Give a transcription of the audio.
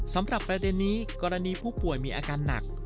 สำหรับประเด็นนี้กรณีผู้ป่วยมีอาการหนัก